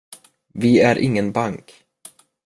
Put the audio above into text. Vi är ingen bank.